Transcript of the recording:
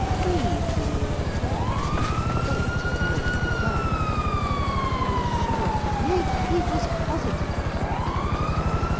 "Si, signor"; he thought it might be done. He was sure nay, he was positive.